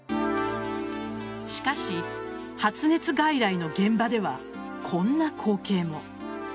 しかし、発熱外来の現場ではこんな光景も。